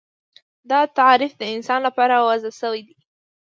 دا تعریف د انسان لپاره وضع شوی دی